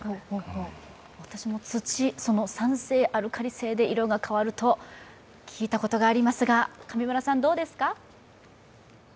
私も土、酸性、アルカリ性で色が変わると聞いたことがありますが、上村さん、どうですか？